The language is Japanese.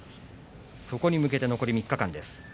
そこに向けて残り３日間です。